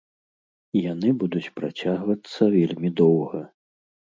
Яны будуць працягвацца вельмі доўга.